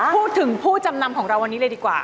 ผู้จำนำของเราวันนี้เลยดีกว่า